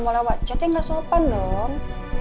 mau lewat chatnya gak sopan dong